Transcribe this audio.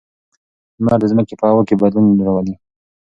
لمر د ځمکې په هوا کې بدلون راولي.